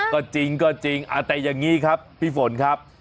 ก็จริงก็จริงแต่อย่างนี้ครับพี่ฝนครับ